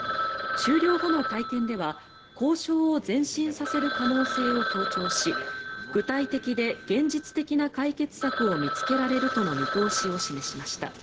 終了後の会見では交渉を前進させる可能性を強調し具体的で現実的な解決策を見つけられるとの見通しを示しました。